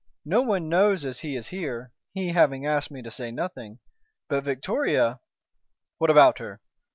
No one knows as he is here, he having asked me to say nothing. But Victoria " "What about her?"